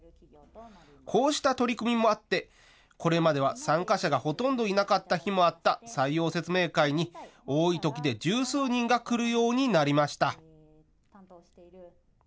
こうした取り組みもあってこれまでは参加者がほとんどいなかった日もあった採用説明会に多いときで十数人が来るようになりました。